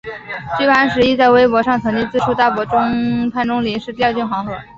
据潘石屹在微博上曾经自述大伯潘钟麟是掉进黄河。